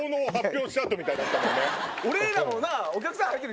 俺らもな。